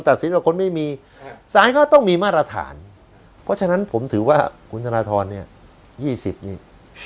ว่าคนไม่มีสารก็ต้องมีมาตรฐานเพราะฉะนั้นผมถือว่าคุณธนทรเนี่ย๒๐นี่